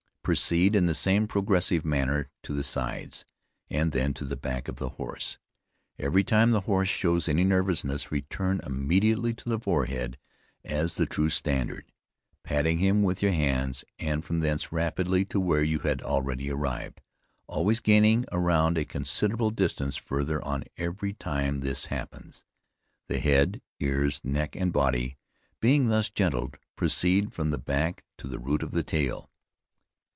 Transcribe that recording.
"Proceed in the same progressive manner to the sides, and then to the back of the horse. Every time the horse shows any nervousness return immediately to the forehead as the true standard, patting him with your hands, and from thence rapidly to where you had already arrived, always gaining ground a considerable distance farther on every time this happens. The head, ears, neck and body being thus gentled, proceed from the back to the root of the tail.